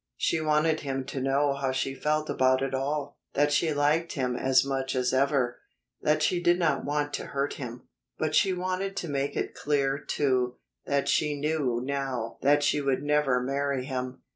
She wanted him to know how she felt about it all: that she liked him as much as ever, that she did not want to hurt him. But she wanted to make it clear, too, that she knew now that she would never marry him.